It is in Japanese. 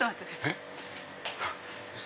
えっ？